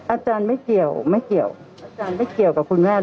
อาจารย์ไม่เกี่ยวไม่เกี่ยวอาจารย์ไม่เกี่ยวกับคุณแม่